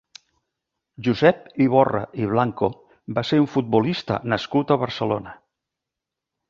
Josep Iborra i Blanco va ser un futbolista nascut a Barcelona.